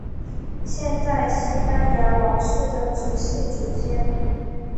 现在西班牙王室的直系祖先。